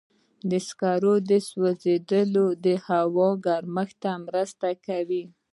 د سکرو سوځېدل د هوا ګرمښت ته مرسته کوي.